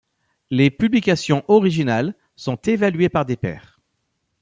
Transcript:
Les publications originales sont évaluées par des pairs.